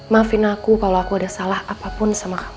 maafin aku kalo aku ada salah apapun sama kamu ya